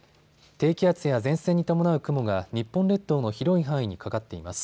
低気圧や前線に伴う雲が日本列島の広い範囲にかかっています。